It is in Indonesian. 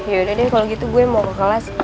yaudah deh kalau gitu gue mau ke kelas